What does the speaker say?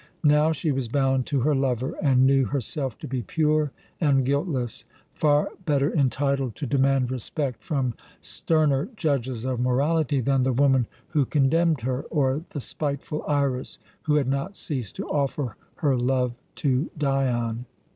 Now she was bound to her lover, and knew herself to be pure and guiltless, far better entitled to demand respect from sterner judges of morality than the woman who condemned her, or the spiteful Iras, who had not ceased to offer her love to Dion.